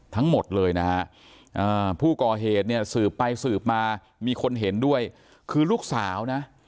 ทั้งหมดเลยนะฮะผู้ก่อเหตุเนี่ยสืบไปสืบมามีคนเห็นด้วยคือลูกสาวนะ